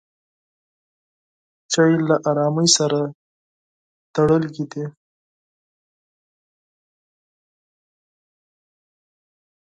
چای له ارامۍ سره تړلی دی.